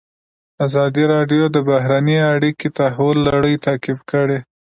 ازادي راډیو د بهرنۍ اړیکې د تحول لړۍ تعقیب کړې.